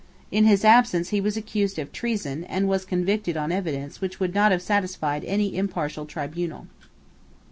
In his absence he was accused of treason, and was convicted on evidence which would not have satisfied any impartial tribunal.